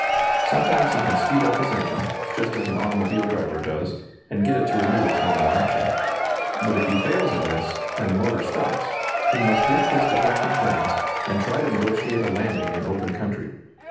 Sometimes he can speed up his engine, just as an automobile driver does, and get it to renew its normal action. But if he fails in this, and the motor stops, he must dip his deflecting planes, and try to negotiate a landing in open country.